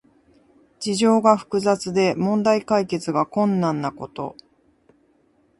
事情が複雑で問題解決が困難なこと。